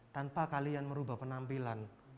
tanpa kalian merubah penampilan